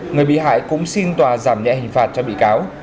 người bị hại cũng xin tòa giảm nhẹ hình phạt cho bị cáo